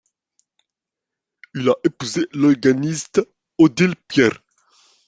Il a épousé l’organiste Odile Pierre.